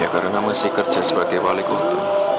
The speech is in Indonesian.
karena masih kerja sebagai wali kota